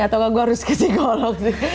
atau nggak gue harus ke psikolog sih